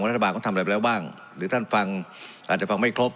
รัฐบาลเขาทำอะไรไปแล้วบ้างหรือท่านฟังอาจจะฟังไม่ครบ